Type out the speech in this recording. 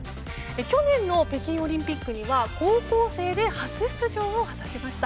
去年の北京オリンピックには高校生で初出場を果たしました。